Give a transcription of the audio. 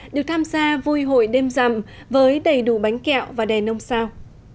được tham gia vui hội đêm rằm với đầy đủ bánh kẹo và đèn ông sao